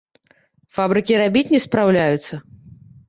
Фабрыкі рабіць не спраўляюцца.